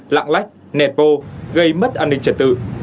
lạng lách nẹp bô gây mất an ninh trật tự